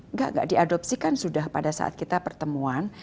nggak nggak diadopsikan sudah pada saat kita pertemuan